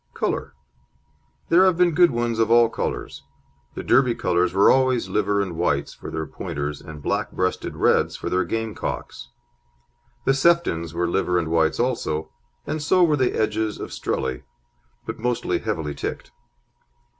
COLOUR There have been good ones of all colours. The Derby colours were always liver and whites for their Pointers and black breasted reds for their game cocks. The Seftons were liver and whites also, and so were the Edges of Strelly, but mostly heavily ticked.